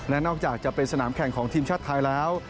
และนอกจากจะเป็นสนามแข่งของทีมชาติไทยแล้ว